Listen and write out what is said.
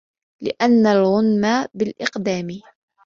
لِأَنَّ الْغُنْمَ بِالْإِقْدَامِ